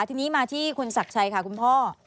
ทีนี้มาที่คุณศักดิ์ชัยค่ะคุณพ่อ